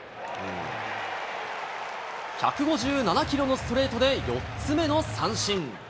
１５７キロのストレートで４つ目の三振。